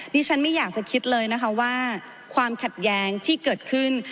ดิฉันไม่อยากจะคิดเลยนะคะว่าความขัดแย้งที่เกิดขึ้น